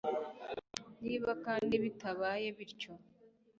niba kandi bitabaye bityo